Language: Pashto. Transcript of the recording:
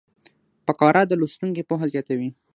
فقره د لوستونکي پوهه زیاتوي.